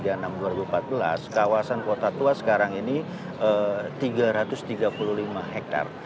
pada tahun seribu sembilan ratus tiga puluh enam dua ribu empat belas kawasan kota tua sekarang ini tiga ratus tiga puluh lima hektare